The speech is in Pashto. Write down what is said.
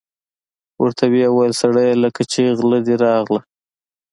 ورته ویې ویل: سړیه لکه چې غله دي غله.